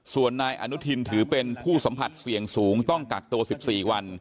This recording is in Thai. ส่วนนายอนุทินถือเป็นผู้สัมผัสเสี่ยงสูงต้องกักตัว๑๔วัน